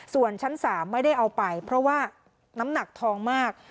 ส่วนชั้น๓ไม่ได้เอาไปเพราะว่าน้ำหนักทองมาก